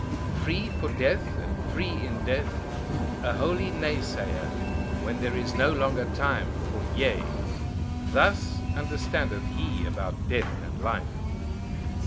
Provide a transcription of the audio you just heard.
Free for death, and free in death; a holy Naysayer, when there is no longer time for Yea: thus understandeth he about death and life.